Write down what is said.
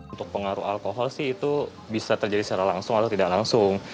untuk pengaruh alkohol sih itu bisa terjadi secara langsung atau tidak langsung